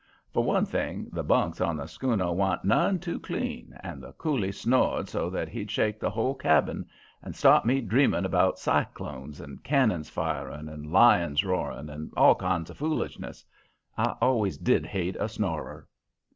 For one thing, the bunks on the schooner wa'n't none too clean, and the Coolie snored so that he'd shake the whole cabin, and start me dreaming about cyclones, and cannons firing, and lions roaring, and all kind of foolishness. I always did hate a snorer.